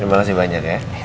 terima kasih banyak ya